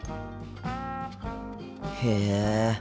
へえ。